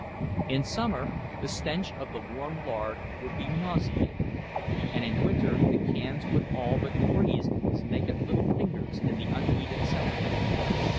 In summer the stench of the warm lard would be nauseating, and in winter the cans would all but freeze to his naked little fingers in the unheated cellar.